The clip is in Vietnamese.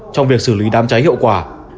trong việc xử lý đám cháy hiệu quả